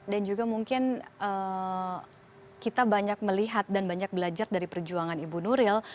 dan juga mungkin kita banyak melihat dan banyak belajar dari perjuangan ibu nuril